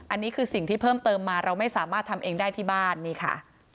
อันนี้คือสิ่งที่เพิ่มเติมมาเราไม่สามารถทำเองได้ที่บ้านนี่ค่ะ